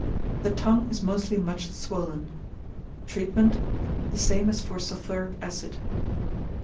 The tongue is mostly much swollen. Treatment. The same as for sulphuric acid.